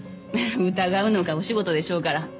疑うのがお仕事でしょうから。